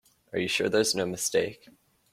Are you sure there's no mistake?